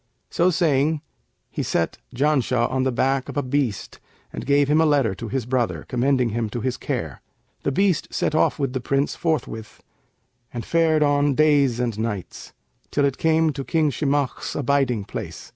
So saying he set Janshah on the back of a beast and gave him a letter to his brother, commending him to his care. The beast set off with the Prince forthwith and fared on days and nights, till it came to King Shimakh's abiding place.